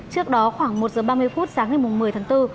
trước đó khoảng một giờ ba mươi phút sáng ngày một mươi tháng bốn